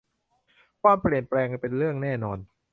ความเปลี่ยนแปลงเป็นเรื่องแน่นอน